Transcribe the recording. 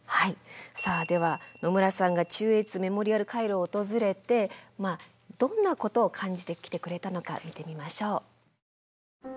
さあでは野村さんが中越メモリアル回廊を訪れてどんなことを感じてきてくれたのか見てみましょう。